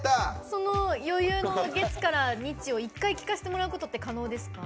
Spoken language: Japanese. その余裕の月から日を一回聴かせてもらうことって可能ですか？